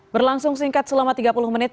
berlangsung singkat selama tiga puluh menit